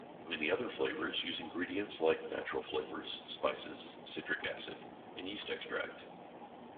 Many other flavors use ingredients like natural flavors, spices, citric acid, and yeast extract.